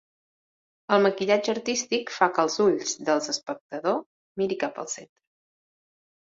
El maquillatge artístic fa que els ulls dels espectador mirin cap al centre.